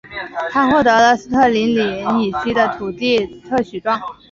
他获得了斯特林岭以西的土地特许状。